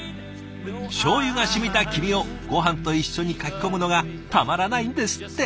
醤油が染みた黄身をごはんと一緒にかき込むのがたまらないんですって。